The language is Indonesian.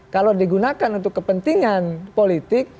kalau digunakan untuk kepentingan politik